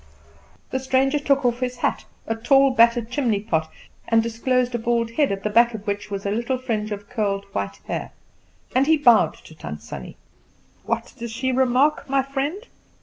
The stranger took off his hat, a tall, battered chimneypot, and disclosed a bald head, at the back of which was a little fringe of curled white hair, and he bowed to Tant Sannie. "What does she remark, my friend?"